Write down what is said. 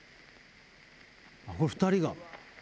この２人が。